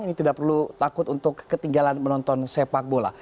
ini tidak perlu takut untuk ketinggalan menonton sepak bola